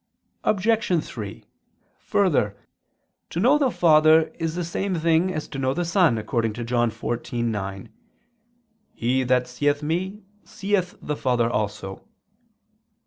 Obj. 3: Further, to know the Father is the same things as to know the Son, according to John 14:9: "He that seeth Me, seeth the Father also."